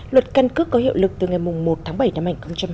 luật căn cước có hiệu lực từ ngày một tháng bảy năm hai nghìn hai mươi